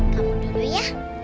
kamu dulu ya